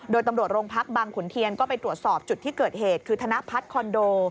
โดยตำรวจโรงพักบางขุนเทียนก็ไปตรวจสอบจุดที่เกิดเหตุคือธนพัฒน์คอนโด